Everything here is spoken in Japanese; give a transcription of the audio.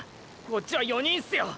こっちは４人すよ！！